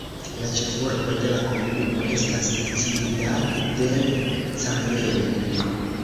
La ĉefurbo de la komunumo estas Ciudad del Carmen.